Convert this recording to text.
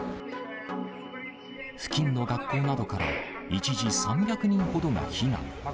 付近の学校などから一時、３００人ほどが避難。